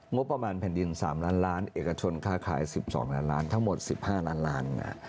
งบประมาณแผ่นดิน๓ล้านล้านเอกชนค่าขาย๑๒ล้านล้านทั้งหมด๑๕ล้านล้าน